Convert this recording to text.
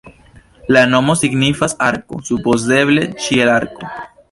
La nomo signifas "arko", supozeble "ĉielarko".